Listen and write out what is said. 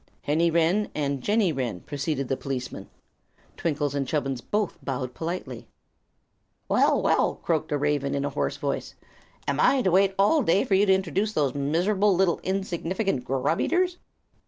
"Henny Wren and Jenny Wren," proceeded the policeman. Twinkle and Chubbins both bowed politely. "Well, well!" croaked a raven, in a hoarse voice, "am I to wait all day while you introduce those miserable little insignificant grub eaters?"